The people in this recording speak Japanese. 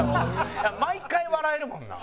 毎回笑えるもんな。